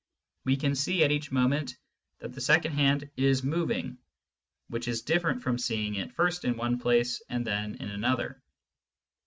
We can see, at each moment, that the second hand is moving^ which is diflferent from seeing it first in one place and then in another.